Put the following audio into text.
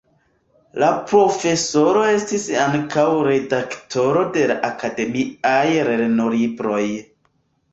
La profesoro estis ankaŭ redaktoro de akademiaj lernolibroj.